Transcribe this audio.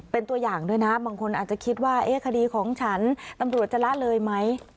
เป็นตัวอย่างด้วยนะบางคนอาจจะคิดว่าคดีของฉันตำรวจจะละเลยไหม